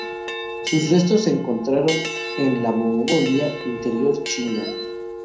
Sus restos se encontraron en la Mongolia Interior, China.